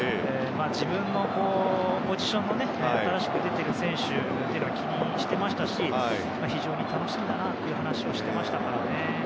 自分のポジションで新しく出ている選手を気にしていましたし非常に楽しみだなという話もしていましたからね。